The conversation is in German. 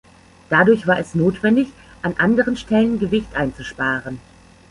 Dadurch war es notwendig, an anderen Stellen Gewicht einzusparen.